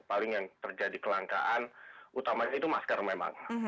paling yang terjadi kelangkaan utamanya itu masker memang